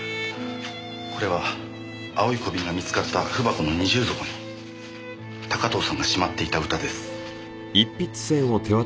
これは青い小瓶が見つかった文箱の二重底に高塔さんがしまっていた歌です。